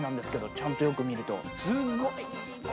ちゃんとよく見ると。